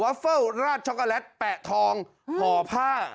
วาเฟิลราดช็อคาร์แรดแปะทองถ่อผ้า